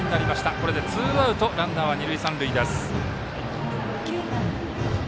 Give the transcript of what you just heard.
これでツーアウトランナー、二塁三塁です。